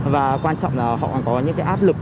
và quan trọng là họ có những áp lực